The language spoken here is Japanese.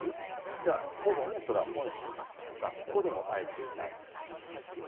じゃあ、祖母もそれは、本心だったのか、ここでも会えていない。